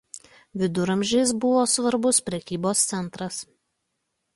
Viduramžiais buvo svarbus prekybos centras.